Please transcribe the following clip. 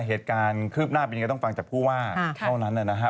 เหตุการณ์คืบหน้าเป็นยังไงต้องฟังจากผู้ว่าเท่านั้นนะฮะ